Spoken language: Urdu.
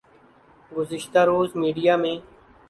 گزشتہ روز میڈیا میں